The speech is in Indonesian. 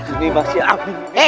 ini mbak si amin